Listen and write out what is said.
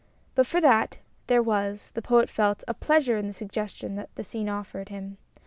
But for that, there was, the Poet felt, a pleasure in the suggestions that the scene offered him.